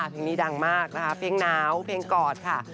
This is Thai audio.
เพลงนี้ดังมากนะคะเพลงหนาวเพลงกอดค่ะ